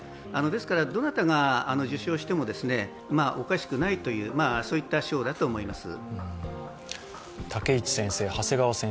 ですからどなたが、受賞してもおかしくないというそういった賞だと思います。